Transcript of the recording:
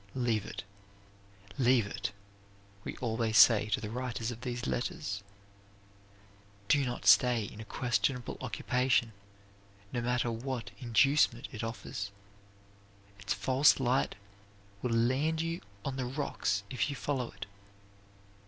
"Leave it, leave it," we always say to the writers of these letters. "Do not stay in a questionable occupation, no matter what inducement it offers. Its false light will land you on the rocks if you follow it.